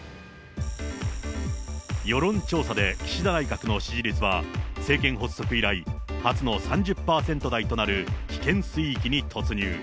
世論調査で岸田内閣の支持率は政権発足以来、初の３０％台となる危険水域に突入。